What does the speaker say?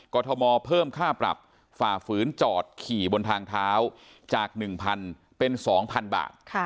ทมเพิ่มค่าปรับฝ่าฝืนจอดขี่บนทางเท้าจาก๑๐๐เป็น๒๐๐๐บาท